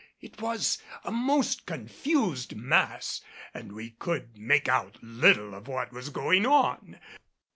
It was a most confused mass and we could make out little of what was going on.